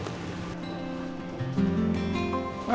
ketemu dimana ya